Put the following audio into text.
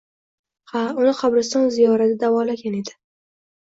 Ha, uni qabriston ziyorati davolagan edi.